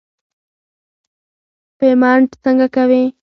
پیمنټ څنګه کوې.